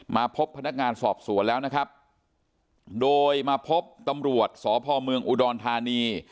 มาพบพนักงานสอบสวนแล้วนะครับโดยมาพบตำรวจสพเมืองอุดรธานี